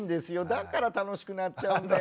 だから楽しくなっちゃうんだよなって。